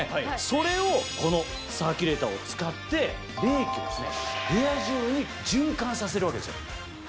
それをこのサーキュレーターを使って冷気を部屋中に循環させるわけですよ。